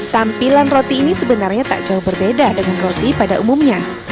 tampilan roti ini sebenarnya tak jauh berbeda dengan roti pada umumnya